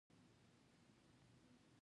ته لکه ناوۍ، ښاري لعبته وې